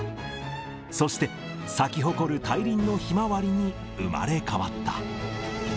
そして、咲き誇る大輪のひまわりに生まれ変わった。